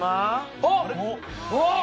あっ！